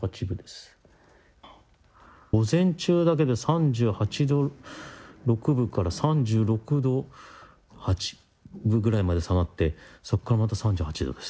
午前中だけで３８度６分から３６度８分まで下がって、そこからまた３８度です。